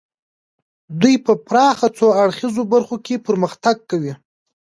دوی په پراخه څو اړخیزو برخو کې پرمختګ کوي